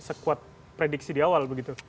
sekuat prediksi di awal begitu